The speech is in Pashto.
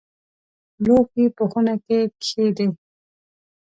لوښي په خونه کې کښېږدئ